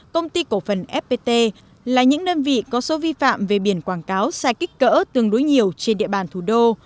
công ty cổ phần fpt là những đơn vị có số vi phạm về biển quảng cáo sai kích cỡ tương đối nhiều trên địa bàn thủ đô